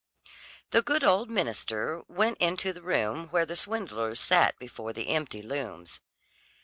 The good old minister went into the room where the swindlers sat before the empty looms.